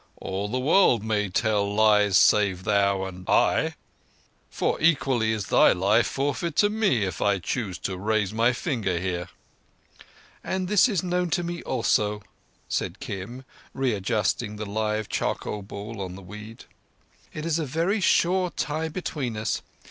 All the world may tell lies save thou and I. For equally is thy life forfeit to me if I chose to raise my finger here." "And this is known to me also," said Kim, readjusting the live charcoal ball on the weed. "It is a very sure tie between us.